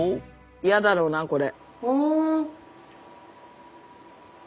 嫌だろうなこれ。